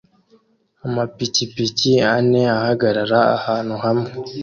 Amapikipiki ane ahagarara ahantu hamwe